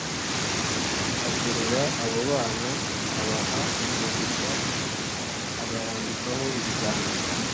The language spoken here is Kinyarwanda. aterura abo bana abaha umugisha abarambikaho ibiganza